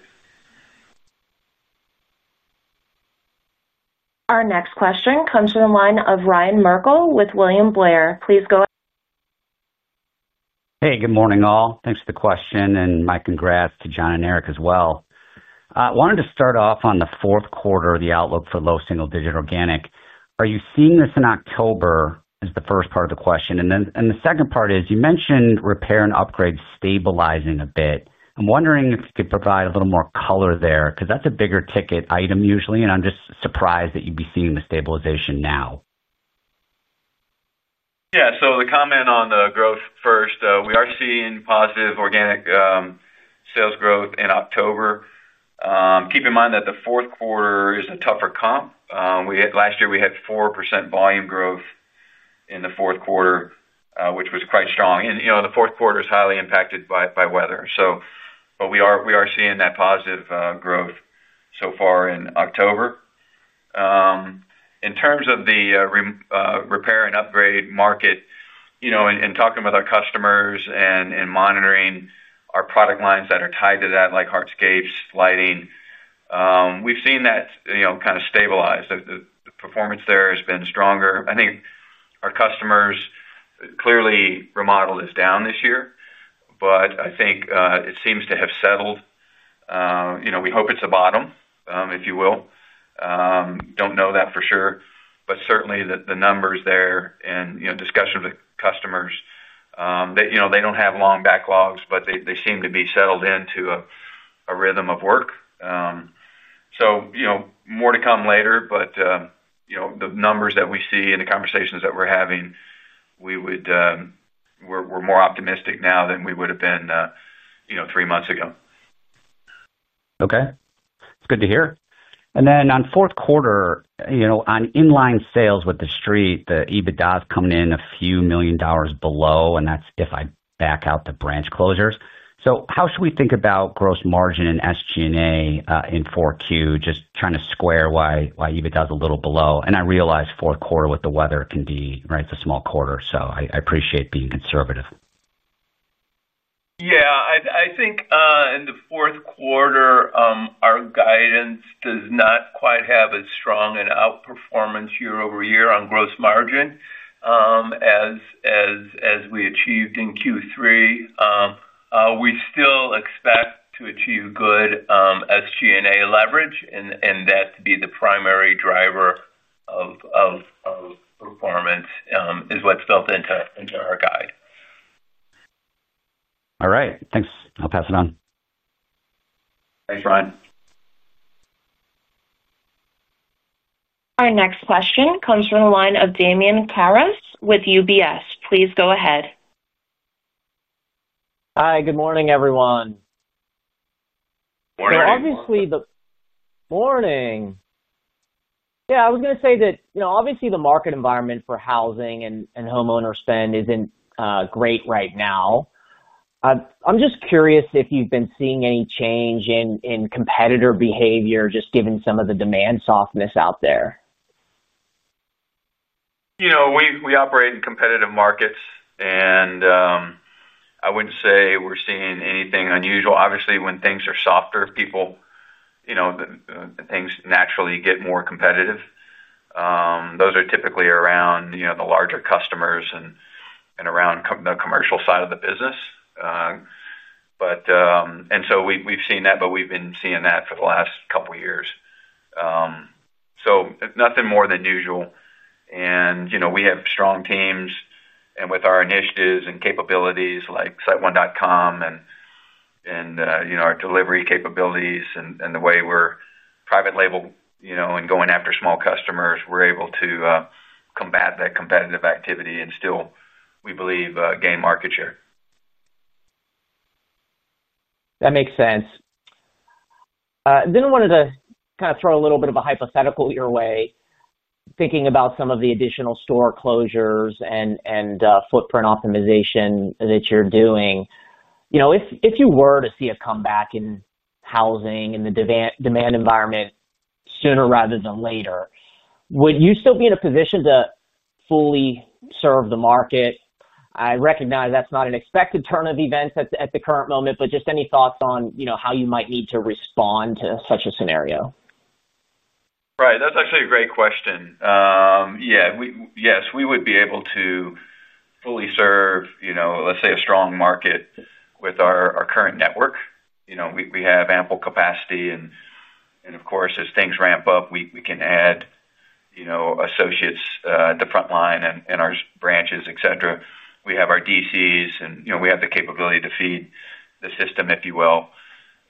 Our next question comes from the line of Ryan Merkel with William Blair. Please go. Hey, good morning all. Thanks for the question and my congrats to John and Eric as well. I wanted to start off on the fourth quarter, the outlook for low single digit organic. Are you seeing this in October? Is the first part of the question. The second part is you mentioned repair and upgrade, stabilizing a bit. I'm wondering if you could provide a little more color there because that's a bigger ticket item usually and I'm just surprised that you'd be seeing the stabilization now. Yes. The comment on the growth first. We are seeing positive organic sales growth in October. Keep in mind that the fourth quarter is a tougher comp. Last year we had 4% volume growth in the fourth quarter which was quite strong. The fourth quarter is highly impacted by weather. We are seeing that positive growth so far in October. In terms of the repair and upgrade market, in talking with our customers and monitoring our product lines that are tied to that like hardscapes, lighting, we've seen that kind of stabilize. The performance there has been stronger. I think our customers clearly remodel is down this year, but it seems to have settled. We hope it's a bottom, if you will. Don't know that for sure, but certainly the numbers there and discussions with customers, they don't have long backlogs but they seem to be settled into a rhythm of work. More to come later. The numbers that we see and the conversations that we're having, we're more optimistic now than we would have been three months ago. Okay, it's good to hear. On fourth quarter, on inline sales with the street, the EBITDA is coming in a few million dollars below and that's if I back out the branch closures. How should we think about gross margin and SG&A in 4Q? Just trying to square why EBITDA is a little below and I realize fourth quarter with the weather can be right. It's a small quarter so I appreciate being conservative. Yeah, I think in the fourth quarter our guidance does not quite have as strong an outperformance year-over-year on gross margin as we achieved in Q3. We still expect to achieve good SG&A leverage, and that to be the primary driver of performance is what's built into our guide. All right, thanks. I'll pass it on. Thanks, Ryan. Our next question comes from the line of Damian Karas with UBS. Please go ahead. Hi, good morning everyone. Obviously, the morning. Yeah, I was going to say that obviously the market environment for housing and homeowner spend isn't great right now. I'm just curious if you've been seeing any change in competitor behavior just given some of the demand softness out there. We operate in competitive markets and I wouldn't say we're seeing anything unusual. Obviously when things are softer, things naturally get more competitive. Those are typically around the larger customers and around the commercial side of the business. We've seen that, but we've been seeing that for the last couple years. Nothing more than usual. We have strong teams and with our initiatives and capabilities like siteone.com and our delivery capabilities and the way we're private label, and going after small customers, we're able to combat that competitive activity and still, we believe, gain market share. That makes sense. I wanted to kind of throw a little bit of a hypothetical your way, thinking about some of the additional store closures and footprint optimization that you're doing. If you were to see a comeback in housing and the demand environment sooner rather than later, would you still be in a position to fully serve the market? I recognize that's not an expected turn of events at the current moment, but just any thoughts on how you might need to respond to such a scenario? Right, that's actually a great question. Yeah. Yes, we would be able to fully serve, you know, let's say a strong market with our current network. We have ample capacity and of course, as things ramp up, we can add, you know, associates at the front line and our branches, etc. We have our DCs and we have the capability to feed the system, if you will.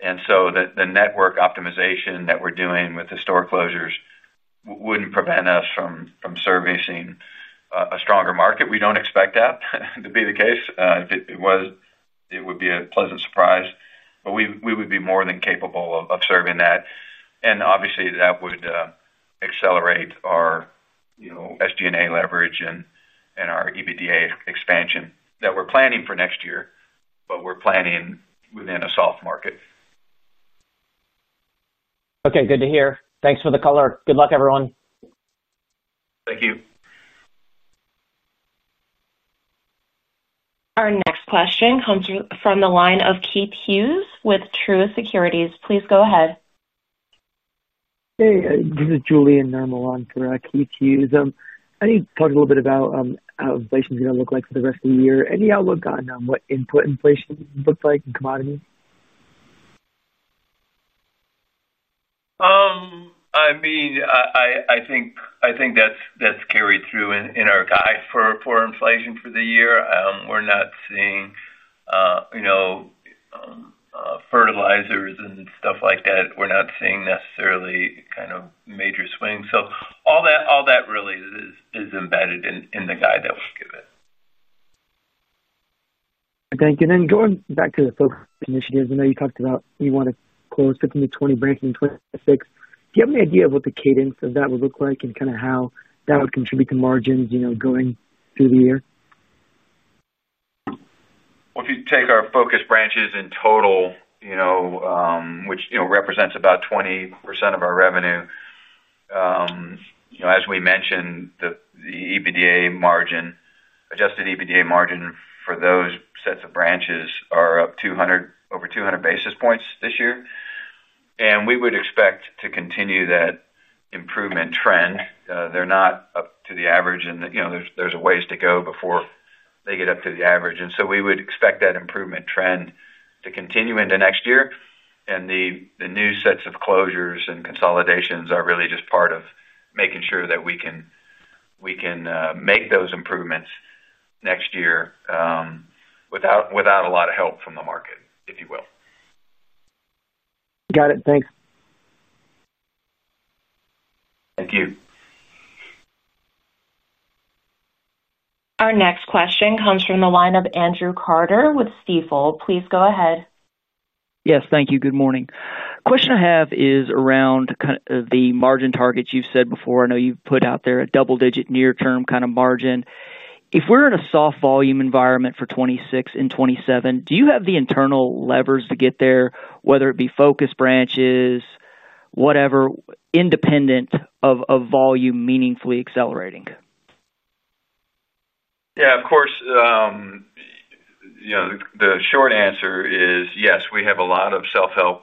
The network optimization that we're doing with the store closures wouldn't prevent us from servicing a stronger market. We don't expect that to be the case. If it was, it would be a pleasant surprise, but we would be more than capable of serving that. Obviously, that would accelerate our SG&A leverage and our adjusted EBITDA expansion that we're planning for next year, but we're planning within a soft market. Okay, good to hear. Thanks for the color. Good luck, everyone. Thank you. Our next question comes from the line of Keith Hughes with Truist Securities. Please go ahead. Hey, this is Julian Nirmal on Keith Hughes. I need to talk a little bit about how inflation is going to look like for the rest of the year. Any outlook on what input inflation looks like in commodities? I mean, I think that's carried through in our guide for inflation for the year. We're not seeing, you know, fertilizers and stuff like that. We're not seeing necessarily kind of major swings. All that really is embedded in the guide that was given. Thank you. Going back to the focus initiatives I know you talked about, you want to close 15-20 branches in 2026. Do you have any idea of what? The cadence of that would look like and kind of how that would contribute to margins going through the year? If you take our focus branches in total, which represents about 20% of our revenue, as we mentioned, the adjusted EBITDA margin for those sets of branches are up over 200 basis points this year. We would expect to continue that improvement trend. They're not up to the average, and there's a ways to go before they get up to the average. We would expect that improvement trend to continue into next year. The new sets of closures and consolidations are really just part of making sure that we can make those improvements next year without a lot of help from the market, if you will. Got it. Thanks. Thank you. Our next question comes from the line of Andrew Carter with Stifel. Please go ahead. Yes, thank you. Good morning. Question I have is around the margin targets you've set before. I know you've put out there a double-digit, near-term kind of margin. If we're in a soft volume environment for 2026 and 2027, do you have the internal levers to get there, whether it be focus branches, whatever, independent of volume, meaningfully accelerating? Yeah, of course. The short answer is yes. We have a lot of self-help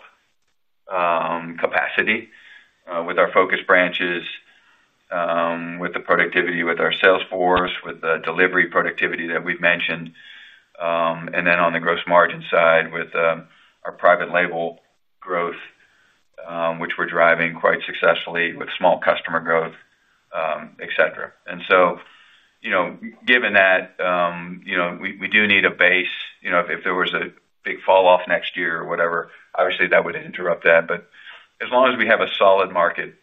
capacity with our focus branches, with the productivity, with our sales force, with the delivery productivity that we've mentioned. On the gross margin side, with our private label growth, which we're driving quite successfully with small customer growth, etc. Given that, we do need a base. If there was a big fall off next year or whatever, obviously that would interrupt that. As long as we have a solid market,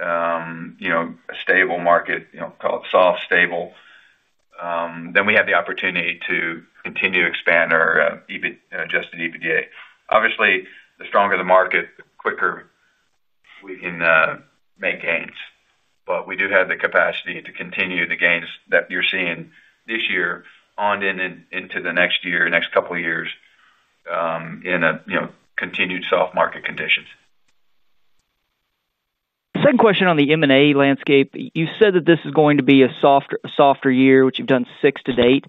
a stable market, call it soft stable, then we have the opportunity to continue to expand our adjusted EBITDA. Obviously, the stronger the market, the quicker we can make gains. We do have the capacity to continue the gains that you're seeing this year on and into the next year, next couple years in continued soft market conditions. Second question, on the M&A landscape, you said that this is going to be a softer year, which you've done six to date.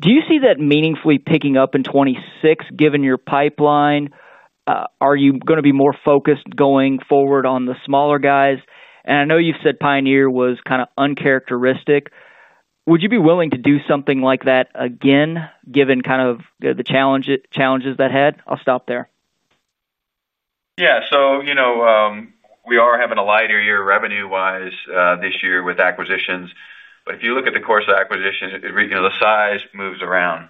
Do you see that meaningfully picking up in 2026, given your pipeline? Are you going to be more focused going forward on the smaller guys? I know you've said Pioneer was kind of uncharacteristic. Would you be willing to do something like that again given kind of the challenges that had? I'll stop there. Yeah. We are having a lighter year revenue wise this year with acquisitions, but if you look at the course of acquisition, the size moves around.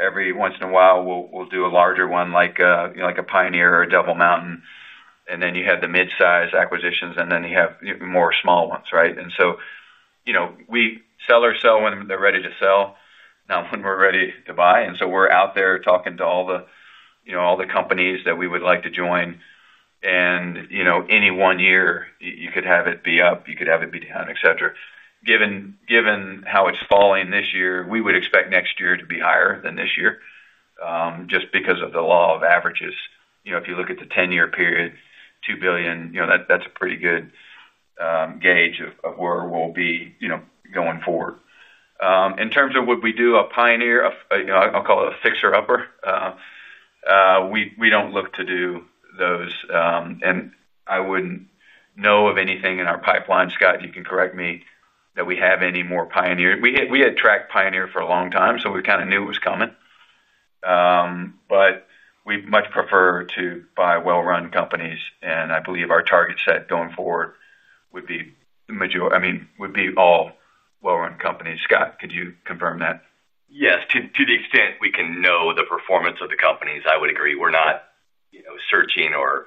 Every once in a while we'll do a larger one like a Pioneer or a Devil Mountain, and then you have the mid size acquisitions and then you have more small ones. We sell when they're ready to sell, not when we're ready to buy. We are out there talking to all the companies that we would like to join, and any 1 year you could have it be up, you could have it be down, et cetera. Given how it's falling this year, we would expect next year to be higher than this year just because of the law of averages. If you look at the 10 year period, $2 billion, that's a pretty good gauge of where we'll be going forward. In terms of would we do a Pioneer, I'll call it a fixer upper. We don't look to do those, and I wouldn't know of anything in our pipeline. Scott, you can correct me if we have any more Pioneer. We had tracked Pioneer for a long time, so we kind of knew it was coming. We much prefer to buy well run companies, and I believe our target set going forward would be all well run companies. Scott, could you confirm that? Yes. To the extent we can know. Performance of the companies, I would agree. We're not searching or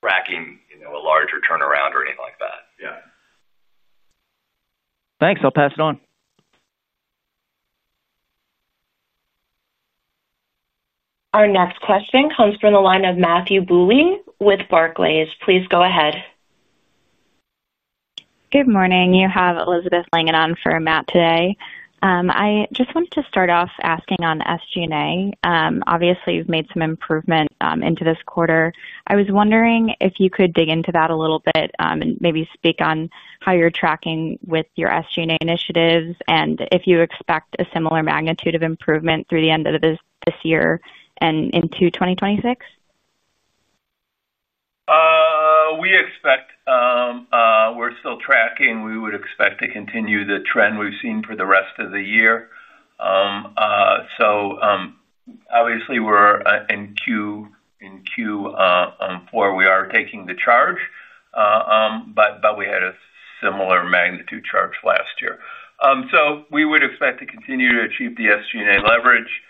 tracking a larger turnaround or anything like that. Yeah, thanks. I'll pass it on. Our next question comes from the line of Matthew Bouley with Barclays. Please go ahead. Good morning. You have Elizabeth Langan on for Matt today. I just wanted to start off asking on SG&A. Obviously you've made some improvement into this quarter. I was wondering if you could dig into that a little bit and maybe speak on how you're tracking with your SG&A initiatives and if you expect a similar magnitude of improvement through the end of this year and into 2026. We expect, we're still tracking, we would expect to continue the trend we've seen for the rest of the year. Obviously we're in Q4. We are taking the charge, but we had a similar magnitude charge last year. We would expect to continue to achieve the SG&A leverage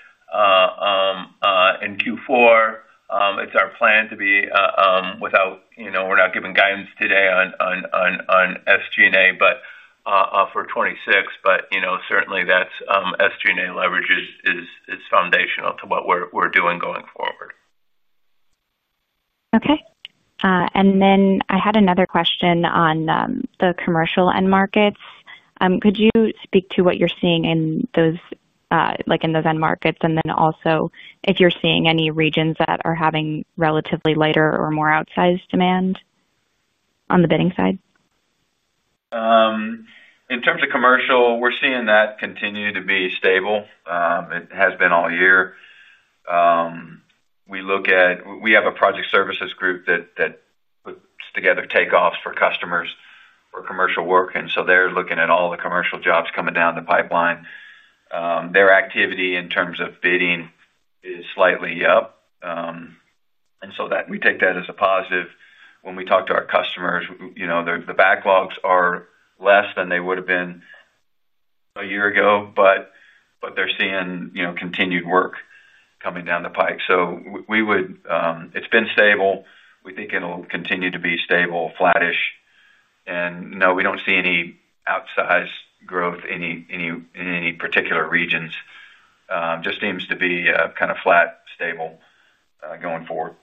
in Q4. It's our plan to be without. We're not giving guidance today on SG&A for 2026, but certainly that SG&A leverage is foundational to what we're doing going forward. Okay. I had another question on the commercial end markets. Could you speak to what you're seeing in those, like in those end markets, and also if you're seeing any regions that are having relatively lighter or more outsized demand on the bidding side. In terms of commercial, we're seeing that continue to be stable. It has been all year. We look at, we have a project services group that together takeoffs for customers or commercial work. They're looking at all the commercial jobs coming down the pipeline. Their activity in terms of bidding is slightly up, and we take that as a positive when we talk to our customers. The backlogs are less than they would have been a year ago, but they're seeing continued work coming down the pike. It's been stable. We think it'll continue to be stable, flattish, and no, we don't see any outsized growth in any particular regions. It just seems to be kind of flat stable going forward.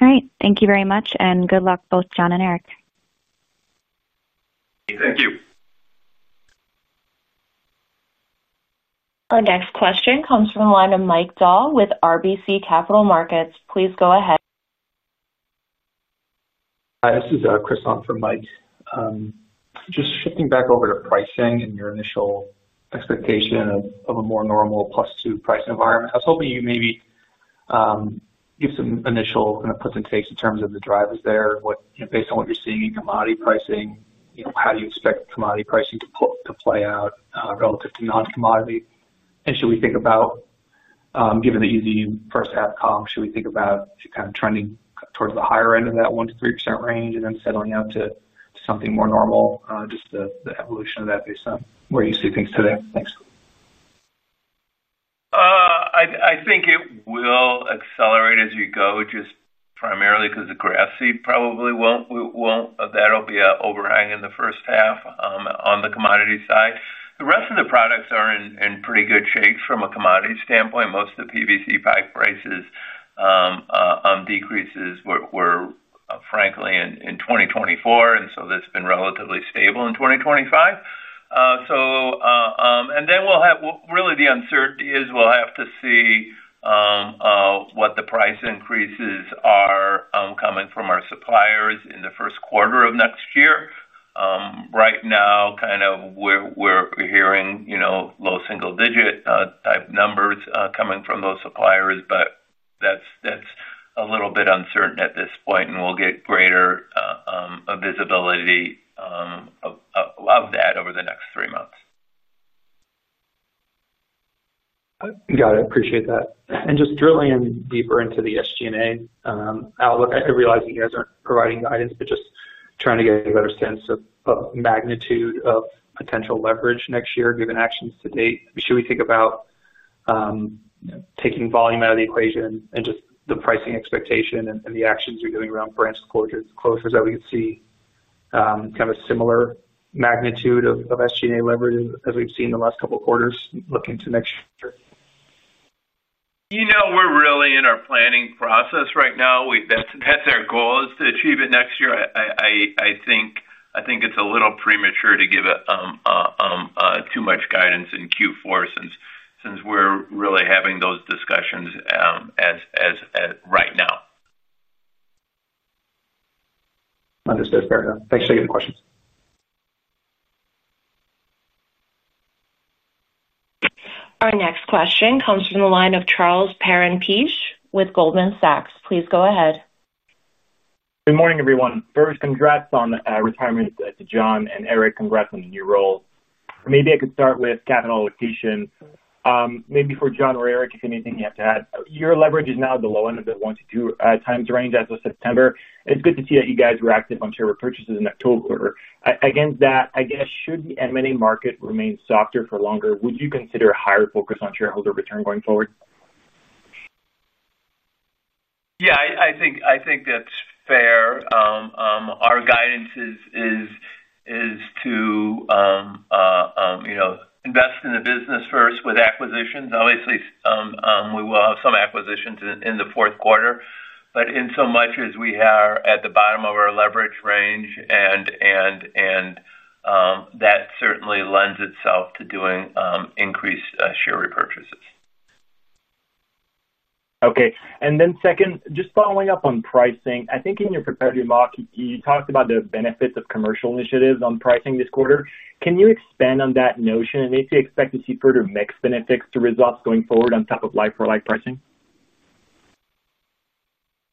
All right, thank you very much and good luck both John and Eric. Thank you. Our next question comes from the line of Mike Dahl with RBC Capital Markets. Please go ahead. Hi, this is Chris on from Mike, just shifting back over to pricing and your initial expectation of a more normal +2% price environment. I was hoping you maybe give some initial puts and takes in terms of the drivers there. Based on what you're seeing in commodity pricing, how do you expect commodity pricing to play out relative to non-commodity? Should we think about, given the easy first half comp, trending towards the higher end of that 1%-3% range and then settling out to something more normal? Just the evolution of that based on where you see things today. Thanks. I think it will accelerate as you go just primarily because the grass seed probably won't. That'll be an overhang in the first half on the commodity side. The rest of the products are in pretty good shape from a commodity standpoint. Most of the PVC pipe price decreases were frankly in 2024, and that's been relatively stable in 2025. The uncertainty is we'll have to see what the price increases are coming from our suppliers in the first quarter of next year. Right now, we're hearing low single-digit type numbers coming from those suppliers, but that's a little bit uncertain at this point, and we'll get greater visibility of that over the next 3 months. Got it. Appreciate that. Just drilling in deeper into the SG&A outlook, I realize you guys aren't providing guidance, but just trying to get a better sense of magnitude of potential leverage next year. Given actions to date, should we think about... Taking volume out. Of the equation and just the pricing expectation and the actions you're doing around branch closures that we could see kind of a similar magnitude of SG&A leverage as we've seen the last couple quarters looking to next year. We're really in our planning process right now. That's our goal is to achieve it next year. I think it's a little premature to give too much guidance in Q4 since we're really having those discussions right now. Understood. Fair enough. Thanks for your questions. Our next question comes from the line of Charles Perron-Piche with Goldman Sachs. Please go ahead. Good morning, everyone. First, congrats on retirement to John and Eric. Congrats on the new role. Maybe I could start with capital allocation. Maybe for John or Eric, if anything you have to add, your leverage is now at the low end of the 1-2x range as of September. It's good to see that you guys reacted on share repurchases in October against that. I guess. Should the M&A market remain softer for longer, would you consider a higher focus on shareholder return going forward? Yeah, I think that's fair. Our guidance is to invest in the business first with acquisitions. Obviously, we will have some acquisitions in the fourth quarter, but in so much as we are at the bottom of our leverage range, that certainly lends itself to doing increased share repurchases. Okay. Second, just following up on pricing. I think in your prepared remark, you. Talked about the benefits of commercial initiatives on pricing this quarter. Can on that notion. Do you expect to see further? Mix benefits to results going forward on top of like-for-like pricing.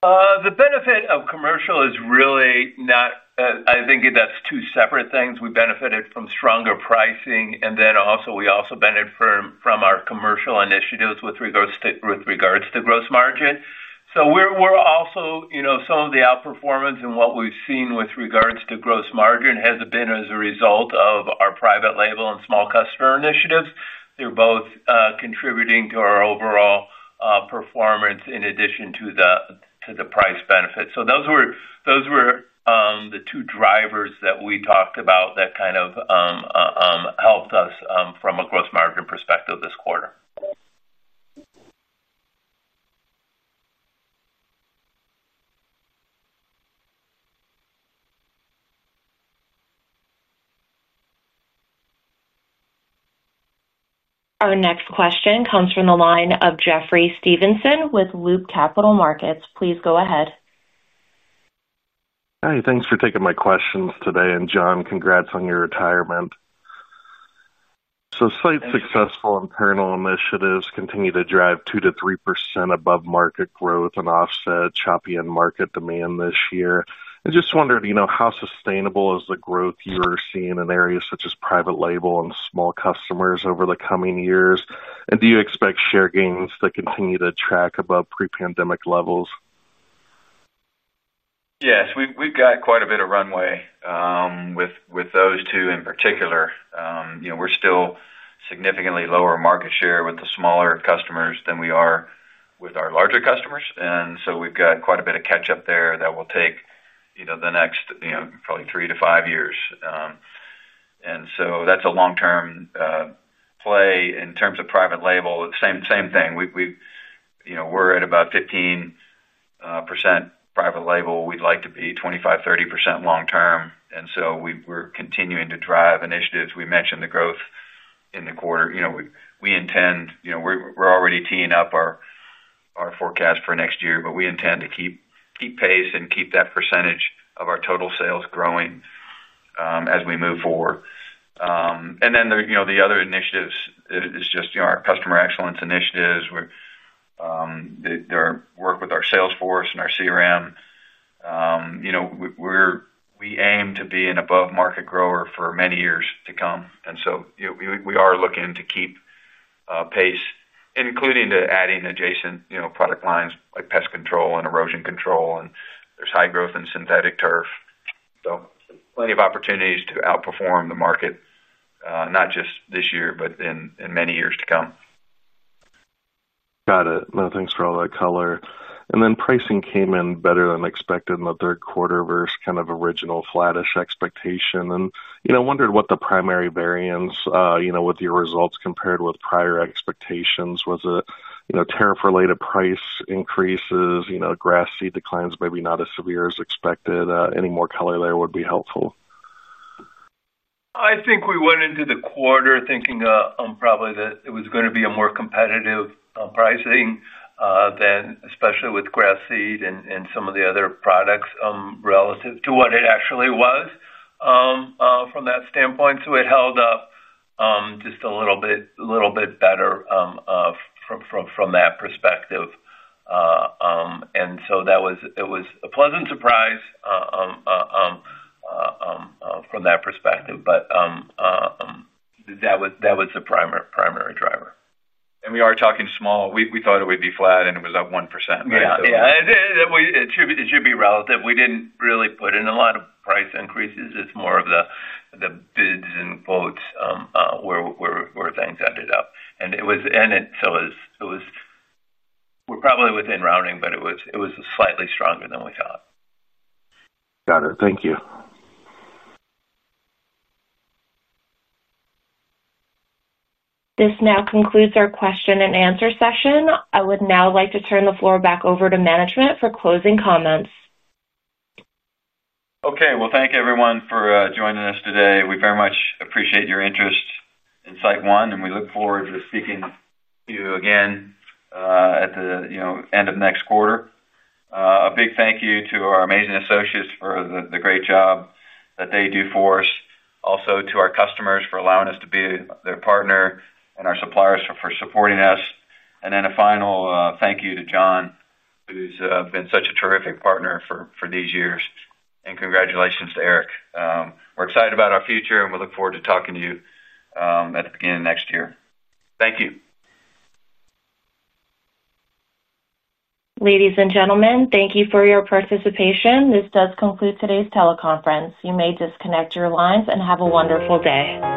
Benefit of commercial is really not. I think that's two separate things. We benefited from stronger pricing, and then also we also benefit from our commercial initiatives with regards to gross margin. We're also, you know, some of the outperformance and what we've seen with regards to gross margin has been as a result of our performance, private label and small customer initiatives. They're both contributing to our overall performance in addition to the price benefit. Those were the two drivers that we talked about that kind of helped us from a gross margin perspective this quarter. Our next question comes from the line of Jeffrey Stevenson with Loop Capital Markets. Please go ahead. Hi. Thanks for taking my questions today. John, congrats on your retirement. SiteOne's successful internal initiatives continue to drive 2%-3% above market growth and offset choppy end market demand this year. I just wondered how sustainable is the growth you're seeing in areas such as private label and small customers over the coming years. Do you expect share gains to? Continue to track above pre-pandemic levels? Yes, we've got quite a bit of runway with those two in particular. We're still significantly lower market share with the smaller customers than we are with our larger customers, so we've got quite a bit of catch up there. That will take, you know, the next probably 3-5 years, and that's a long-term play. In terms of private label, same thing, we're at about 15% private label. We'd like to be 25-30% long term, and we're continuing to drive initiatives. We mentioned the growth in the quarter. We intend, you know, we're already teeing up our forecast for next year, but we intend to keep pace and keep that percentage of our total sales growing as we move forward. The other initiatives are just our customer excellence initiatives, their work with our sales force and our CRM. We aim to be an above-market grower for many years to come, and we are looking to keep pace, including adding adjacent product lines like pest control and erosion control. There's high growth in synthetic turf. Plenty of opportunities to outperform the market, not just this year but in many years to come. Got it. Thanks for all that color. Pricing came in better than. Expected in the third quarter versus kind of original flattish expectation, and wondered what the primary variance with your results compared with prior expectations, tariff related price increases, grass seed declines, maybe not as severe as expected. Any more color there would be helpful. I think we went into the quarter thinking probably that it was going to be a more competitive pricing than especially with grass seed and some of the other products relative to what it actually was from that standpoint. It held up just a little bit better from that perspective. It was a pleasant surprise from that perspective. But. That was the primary driver. We are talking small. We thought it would be flat, and it was up 1%. Yeah, it should be relative. We didn't really put in a lot of price increases. It's more of the bids and quotes where things ended up, and it was in it. We were probably within routing, but it was slightly stronger than we thought. Got it. Thank you. This now concludes our question-and-answer session. I would now like to turn the floor back over to management for closing comments. Okay, thank you everyone for joining us today. We very much appreciate your interest in SiteOne and we look forward to speaking to you again at the end of next quarter. A big thank you to our amazing associates for the great job that they do for us, to our customers for allowing us to be their partner, and our suppliers for supporting us. A final thank you to John. Been such a terrific partner for these years. Congratulations to Eric. We're excited about our future and we look forward to talking to you at the beginning of next year. Thank you. Ladies and gentlemen, thank you for your participation. This does conclude today's teleconference. You may disconnect your lines and have a wonderful day.